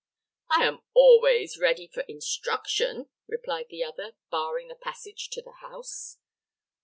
"I am always ready for instruction," replied the other, barring the passage to the house.